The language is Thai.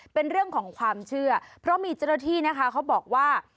เป็นเรื่องของความเชื่อเพราะมีเจ้าหน้าที่นะคะเขาบอกว่า